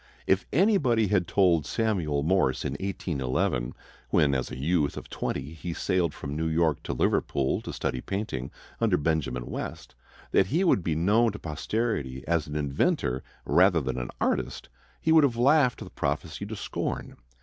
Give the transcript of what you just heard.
If anybody had told Samuel Morse in 1811, when as a youth of twenty he sailed from New York to Liverpool to study painting under Benjamin West, that he would be known to posterity as an inventor rather than as an artist, he would have laughed the prophecy to scorn.